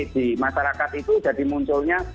di masyarakat itu jadi munculnya